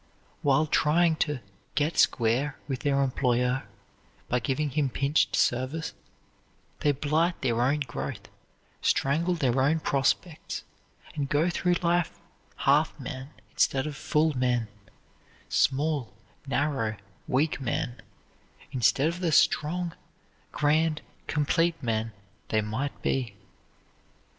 While trying to "get square" with their employer, by giving him pinched service, they blight their own growth, strangle their own prospects, and go through life half men instead of full men small, narrow, weak men, instead of the strong, grand, complete men they might be.